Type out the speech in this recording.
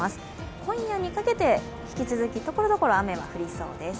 今夜にかけて、引き続き、ところどころ雨が降りそうです。